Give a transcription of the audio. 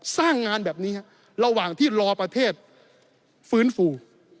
สร้างงานแบบนี้ระหว่างที่รอประเทศฟื้นฟู